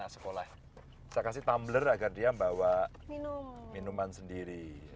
saya kasih tumbler agar dia bawa minuman sendiri